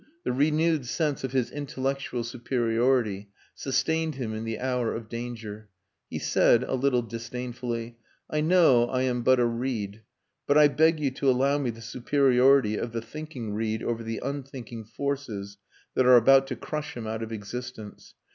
The renewed sense of his intellectual superiority sustained him in the hour of danger. He said a little disdainfully "I know I am but a reed. But I beg you to allow me the superiority of the thinking reed over the unthinking forces that are about to crush him out of existence.